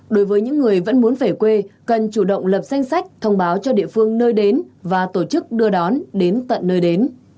đối với những người vẫn muốn về quê cần chủ động lập danh sách thông báo cho địa phương nơi đến và tổ chức đưa đón đến tận nơi đến